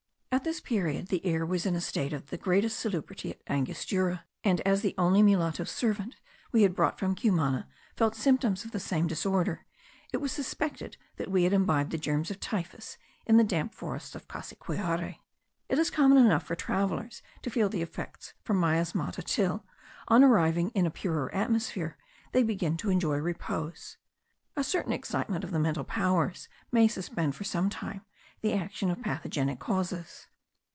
At this period the air was in a state of the greatest salubrity at Angostura; and as the only mulatto servant we had brought from Cumana felt symptoms of the same disorder, it was suspected that we had imbibed the germs of typhus in the damp forests of Cassiquiare. It is common enough for travellers to feel no effects from miasmata till, on arriving in a purer atmosphere, they begin to enjoy repose. A certain excitement of the mental powers may suspend for some time the action of pathogenic causes.